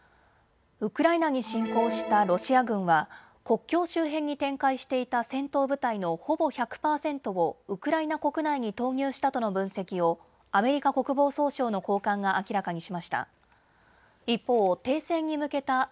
ウクライナに侵攻したロシア軍は国境周辺に展開していた戦闘部隊のほぼ１００％をウクライナ国内に投入したとの分析をアメリカ国防総省の高官が明らかにしました。